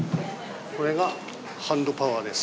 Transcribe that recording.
これがハンドパワーです。